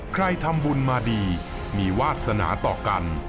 ใครทำบุญมาดีมีวาสนาต่อกัน